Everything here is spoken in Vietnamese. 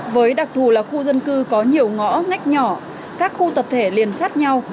với đặc thù là khu dân cư có nhiều ngõ ngách nhỏ các khu tập thể liền sát nhau